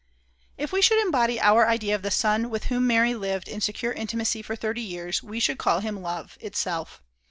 If we should embody our idea of the Son with whom Mary lived in secure intimacy for thirty years, we should call him Love, itself.